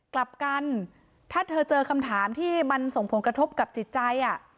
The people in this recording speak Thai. กลับกันถ้าเธอเจอคำถามที่มันส่งผลกระทบกับจิตใจ